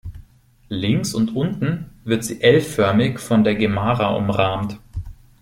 Links und unten wird sie L-förmig von der Gemara umrahmt.